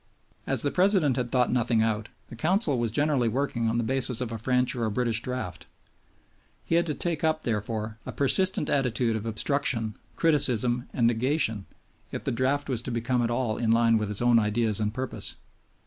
As the President had thought nothing out, the Council was generally working on the basis of a French or British draft. He had to take up, therefore, a persistent attitude of obstruction, criticism, and negation, if the draft was to become at all in line with his own ideas and purpose.